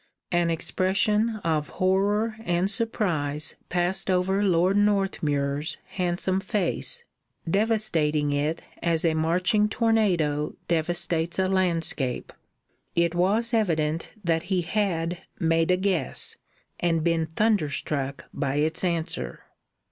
An expression of horror and surprise passed over Lord Northmuir's handsome face, devastating it as a marching tornado devastates a landscape. It was evident that he had "made a guess," and been thunderstruck by its answer.